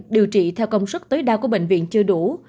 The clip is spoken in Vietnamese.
điều trị theo công suất tối đa của bệnh viện chưa đủ